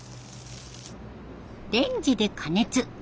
レンジで加熱。